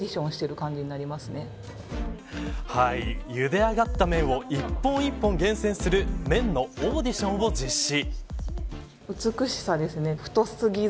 茹で上がった麺を一本一本厳選する麺のオーディションを実施。